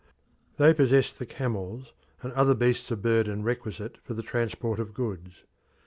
They possessed the camels and other beasts of burden requisite for the transport of goods.